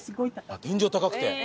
あっ天井高くて？